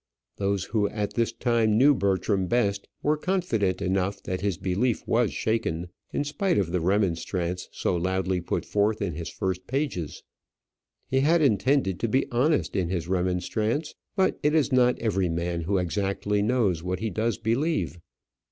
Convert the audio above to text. Those who at this time knew Bertram best were confident enough that his belief was shaken, in spite of the remonstrance so loudly put forth in his first pages. He had intended to be honest in his remonstrance; but it is not every man who exactly knows what he does believe.